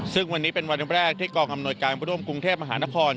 ซึ่งวันนี้เป็นวันแรกที่กองอำนวยการร่วมกรุงเทพมหานคร